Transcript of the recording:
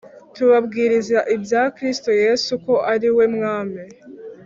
Tubabwiriza Ibya Kristo Yesu Ko Ari We Mwami